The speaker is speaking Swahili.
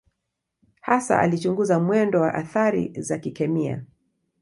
Hasa alichunguza mwendo wa athari za kikemia.